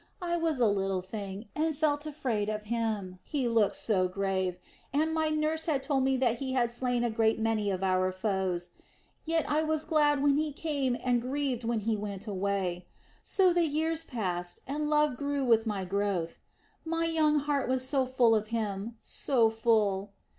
I was a little thing and felt afraid of him, he looked so grave, and my nurse had told me that he had slain a great many of our foes. Yet I was glad when he came and grieved when he went away. So the years passed, and love grew with my growth. My young heart was so full of him, so full....